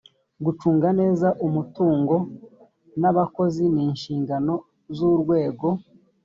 gucunga neza umutungo n’abakozi ni inshingano z’urwego